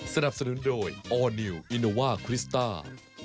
สนับสนุนโดยออร์นิวอินโนว่าคริสต้า